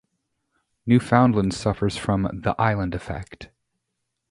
Newfoundland suffers from "the island effect".